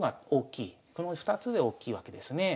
この２つで大きいわけですね。